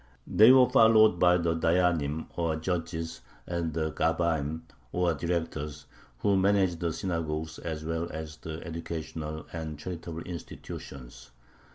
They were followed by the dayyanim, or judges, and the gabbaim, or directors, who managed the synagogues as well as the educational and charitable institutions.